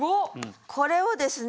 これをですね